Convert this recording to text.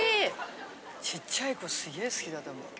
ちっちゃい子すげぇ好きだと思う。